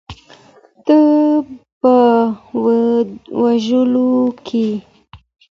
نه په وژلو کې.